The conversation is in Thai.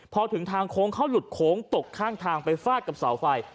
พอถึงทางโค้งเขาหลุดโค้งตกข้างทางไปฟาดกับเสาไฟ